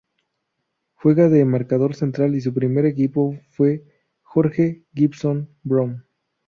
Juega de marcador central y su primer equipo fue Jorge Gibson Brown.